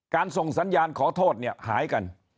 ส่งสัญญาณขอโทษเนี่ยหายกัน